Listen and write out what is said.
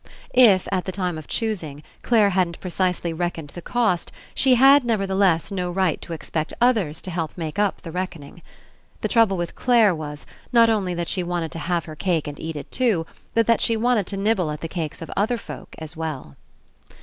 If, at the time of choosing, Clare hadn't precisely reckoned the cost, she had, neverthe less, no right to expect others to help make up the reckoning. The trouble with Clare was, not only that she wanted to have her cake and eat it too, but that she wanted to nibble at the cakes of other folk as well.